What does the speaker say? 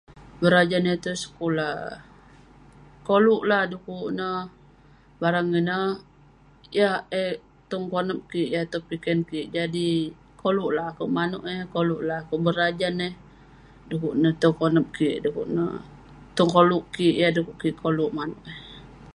Berajan tong sekulah, koluk lah dekuk neh barang ineh yah eh tong konep kik yah tong piken kik. Jadi koluk lah akouk manouk eh, koluk lah akouk berajan eh. dekuk neh tong konep kik, dekuk neh tong koluk kik. Yah dekuk kik koluk eh.